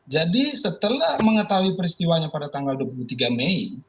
jadi setelah mengetahui peristiwanya pada tanggal dua puluh tiga mei